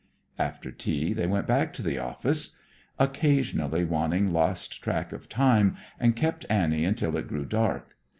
After tea, they went back to the office. Occasionally Wanning lost track of time and kept Annie until it grew dark.